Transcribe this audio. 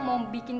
mau bikin kesini